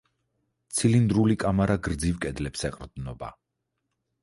ცილინდრული კამარა გრძივ კედლებს ეყრდნობა.